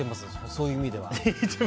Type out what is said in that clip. そういう意味では。